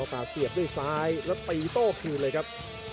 เสียบด้วยซ้ายแล้วตีโต้คืนเลยครับ